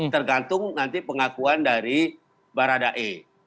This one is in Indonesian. tergantung nanti pengakuan dari barada e